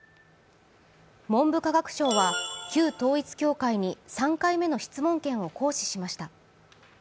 文部科学省は旧統一教会に３回目の質問権を行使しました。